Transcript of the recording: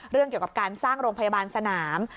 เรื่องเกี่ยวกับการสร้างโรงพยาบาลสนาม